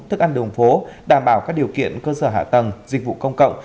thức ăn đường phố đảm bảo các điều kiện cơ sở hạ tầng dịch vụ công cộng